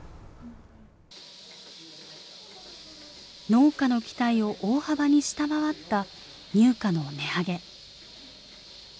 農家の期待を大幅に下回った乳価の値上げ。